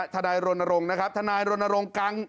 ทนารณ์โรนโลงนะครับทนารโรนโลนกลาง